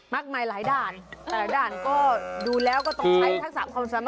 หลายด่านแต่ละด่านก็ดูแล้วก็ต้องใช้ทักษะความสามารถ